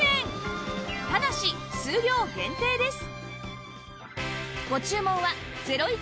ただし数量限定です